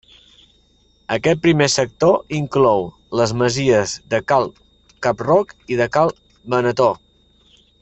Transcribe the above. Aquest primer sector inclou les masies de Cal Cap-roc i de Cal Benetó.